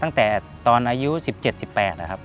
ตั้งแต่ตอนอายุ๑๗๑๘นะครับ